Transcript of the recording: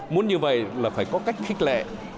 muốn như vậy là phải có cách khích lệ